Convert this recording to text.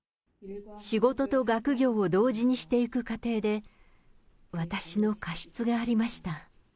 仕事と学業を同時にしていく過程で、私の過失がありました。